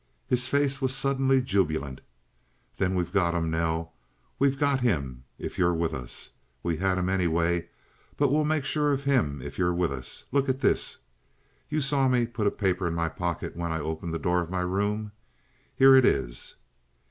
His face was suddenly jubilant. "Then we've got him, Nell. We've got him if you're with us. We had him anyway, but we'll make sure of him if you're with us. Look at this! You saw me put a paper in my pocket when I opened the door of my room? Here it is!"